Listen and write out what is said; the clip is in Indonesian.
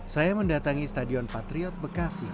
saya mendatangi stadion patriot bekasi